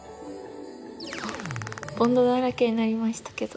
ボンドだらけになりましたけど。